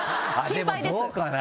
でもどうかな？